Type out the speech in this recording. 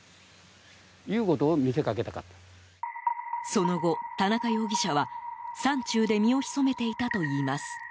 その後、田中容疑者は山中で身を潜めていたといいます。